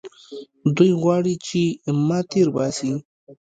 دوى غواړي چې ما تېر باسي.